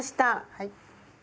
はい。